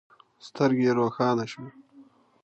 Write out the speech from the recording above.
سترګې يې روښانه شوې.